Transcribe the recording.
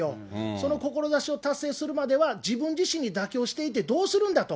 その志を達成するまでは、自分自身に妥協していて、どうするんだと。